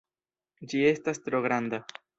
Ĝi estas tro granda!